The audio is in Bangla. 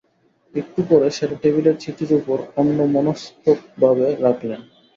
একটু পরে সেটা টেবিলের চিঠির উপর অন্যমনস্ত্বকভাবে রাখলেন।